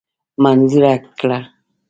منظوره کړه.